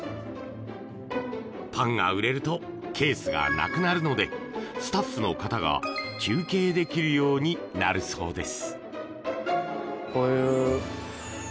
パンが売れるとケースがなくなるのでスタッフの方が休憩できるようになるそうです。